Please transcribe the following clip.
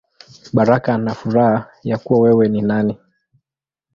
Baraka na Furaha Ya Kuwa Wewe Ni Nani.